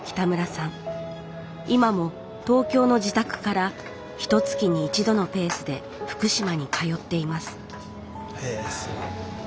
今も東京の自宅からひとつきに一度のペースで福島に通っていますいやすごい。